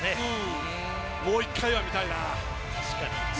もう１回は見たいな。